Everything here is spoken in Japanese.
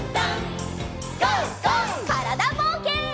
からだぼうけん。